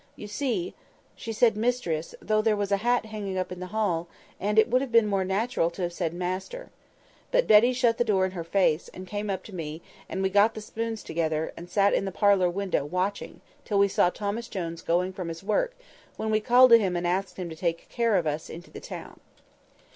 You see, she said 'mistress,' though there was a hat hanging up in the hall, and it would have been more natural to have said 'master.' But Betty shut the door in her face, and came up to me, and we got the spoons together, and sat in the parlour window watching till we saw Thomas Jones going from his work, when we called to him and asked him to take care of us into the town."